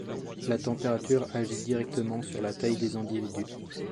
La température agit directement sur la taille des individus.